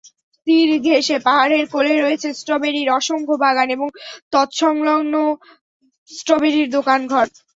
তীর ঘেঁষে পাহাড়ের কোলে রয়েছে স্ট্রবেরির অসংখ্য বাগান এবং তৎসংলগ্ন স্ট্রবেরির দোকানঘর।